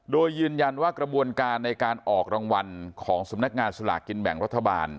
โดยยืนยันว่ากระบวนการในการออกรางวัลของสำนักงานสลากกินแบ่งรัฐบาล